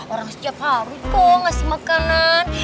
orang setiap hari kok ngasih makanan